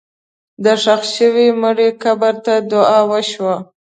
د ښخ شوي مړي قبر ته دعا وشوه.